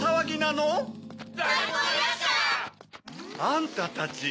あんたたち。